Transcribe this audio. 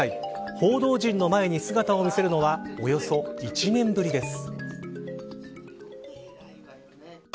報道陣の前に姿を見せるのはおよそ１年ぶりです。